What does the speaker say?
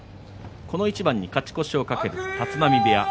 この一番に勝ち越しを懸ける立浪部屋